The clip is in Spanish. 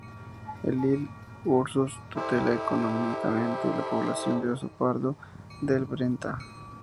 El Life Ursus tutela económicamente la población de oso pardo del Brenta.